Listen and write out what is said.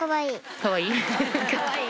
かわいい？